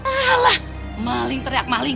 alah maling teriak maling